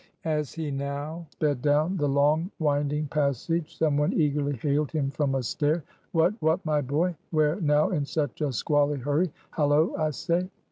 As he now sped down the long winding passage, some one eagerly hailed him from a stair. "What, what, my boy? where now in such a squally hurry? Hallo, I say!"